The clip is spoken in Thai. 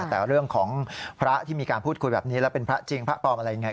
แต่เรื่องของพระที่มีการพูดคุยแบบนี้แล้วเป็นพระจริงพระปลอมอะไรยังไง